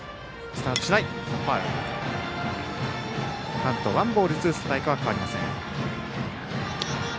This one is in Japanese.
カウントはワンボールツーストライクは変わりません。